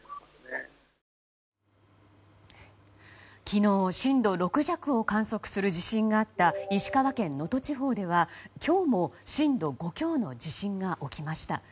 昨日震度６弱を観測する地震があった石川県能登地方では今日も震度５強の地震が起きました。